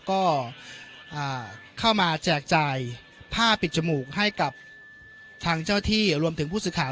ก็เข้ามาแจกจ่ายผ้าปิดจมูกให้กับทางเจ้าที่รวมถึงผู้สื่อข่าว